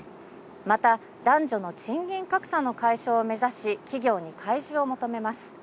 また、男女の賃金格差の解消を目指し、企業に開示を求めます。